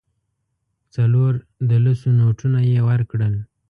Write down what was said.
څلور د لسو نوټونه یې ورکړل.